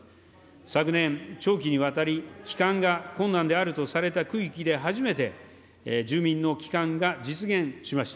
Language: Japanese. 昨年、長期にわたり帰還が困難であるとされた区域で初めて、住民の帰還が実現しました。